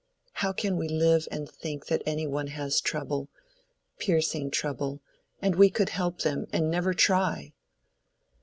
— How can we live and think that any one has trouble—piercing trouble—and we could help them, and never try?"